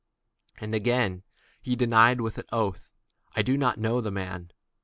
And again he denied with an oath, I do not know the man.